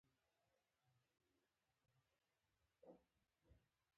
کارکوونکي د پيسو د بدلولو په برخه کې مرسته کوي.